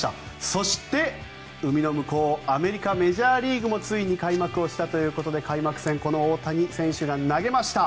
そして、海の向こうアメリカ・メジャーリーグもついに開幕したということで開幕戦この大谷選手が投げました。